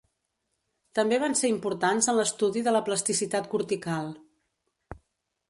També van ser importants en l'estudi de la plasticitat cortical.